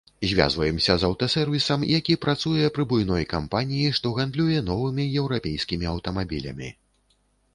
Звязваемся з аўтасэрвісам, які працуе пры буйной кампаніі, што гандлюе новымі еўрапейскімі аўтамабілямі.